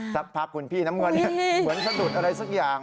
สภาพคุณพี่น้ำมือเหมือนจะดุดอะไรสักอย่าง